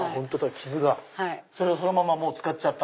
傷がそれをそのまま使っちゃった。